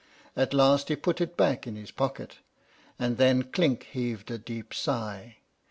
At last he put it back in his pocket, and then Clink heaved a deep sigh.